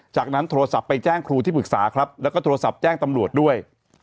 จากนั้นโทรศัพท์ไปแจ้งครูที่ปรึกษาครับแล้วก็โทรศัพท์แจ้งตำรวจด้วย